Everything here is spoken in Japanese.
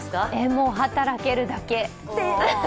もう働けるだけ。